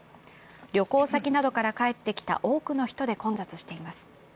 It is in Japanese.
旅行先などから帰ってきた多くの人で混雑しています。